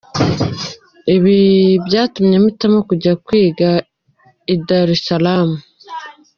Ibi byatumye mpitamo kujya kwiga i Dar es Salaam.